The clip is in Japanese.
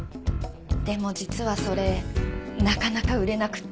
でも実はそれなかなか売れなくて。